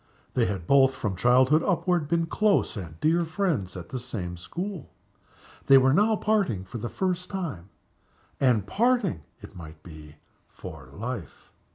They had both, from childhood upward, been close and dear friends at the same school. They were now parting for the first time and parting, it might be, for life.